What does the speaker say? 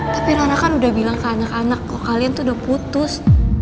tapi nona kan udah bilang ke anak anak kok kalian tuh udah putus